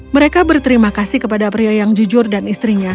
mereka berterima kasih kepada pria yang jujur dan istrinya